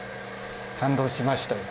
感動しましたよ。